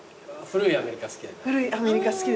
古いアメリカ好き。